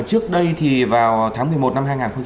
trước đây thì vào tháng một mươi một năm hai nghìn một mươi bảy